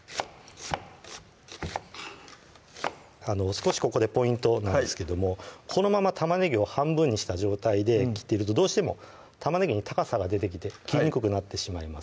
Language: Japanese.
少しここでポイントなんですけどもこのまま玉ねぎを半分にした状態で切っているとどうしても玉ねぎに高さが出てきて切りにくくなってしまいます